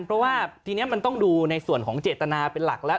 เพราะว่าทีนี้มันต้องดูในส่วนของเจตนาเป็นหลักแล้ว